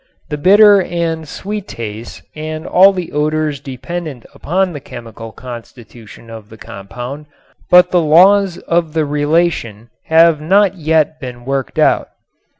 The bitter and sweet tastes and all the odors depend upon the chemical constitution of the compound, but the laws of the relation have not yet been worked out.